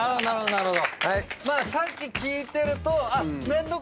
なるほど。